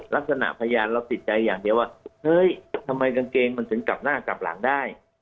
ลักษณะพยานเราติดใจอย่างเดียวทำไมกางเกงมันถึงกลับหน้ากลับหลังได้